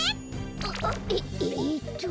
あっあえっと。